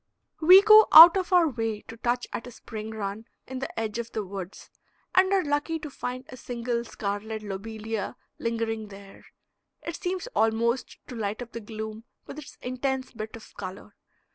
We go out of our way to touch at a spring run in the edge of the woods, and are lucky to find a single scarlet lobelia lingering there. It seems almost to light up the gloom with its intense bit of color.